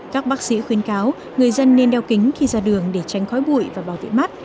các bác sĩ khuyên cáo người dân nên đeo kính khi ra đường để tránh khói bụi và bảo vệ mắt